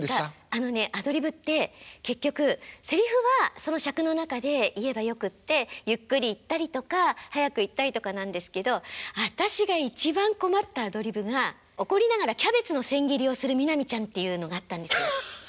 あのねアドリブって結局せりふはその尺の中で言えばよくってゆっくり言ったりとか速く言ったりとかなんですけど私が一番困ったアドリブが怒りながらキャベツの千切りをする南ちゃんっていうのがあったんです。